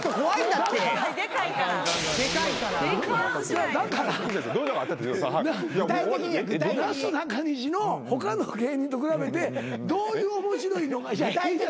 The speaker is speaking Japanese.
だからなすなかにしの他の芸人と比べてどういう面白いのが。